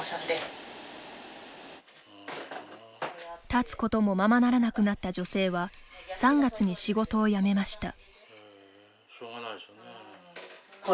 立つこともままならなくなった女性は、３月に仕事を辞めました。